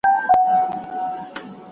¬ پور چي تر سلو واوړي، وچه مه خوره.